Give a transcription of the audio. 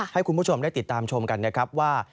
ให้คุณผู้ชมได้ติดตามชมกันนะครับว่า